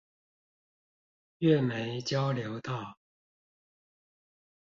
月眉交流道